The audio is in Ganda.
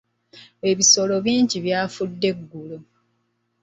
Ebisolo bingi byafudde eggulo.